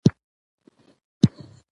او هغې ته ولور وايو.